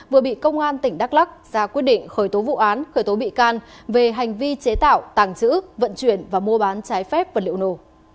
vừa bị công an tỉnh đắk lắc ra quyết định khởi tố vụ án khởi tố bị can về hành vi chế tạo tàng trữ vận chuyển và mua bán trái phép vật liệu nổ